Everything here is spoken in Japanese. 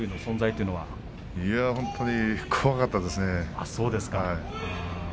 いや、本当に怖かったですね。